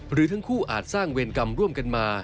หรือทั้งคู่อาจสร้างเวรกรรมร่วมกันมา